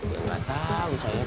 ya gak tau saya tuh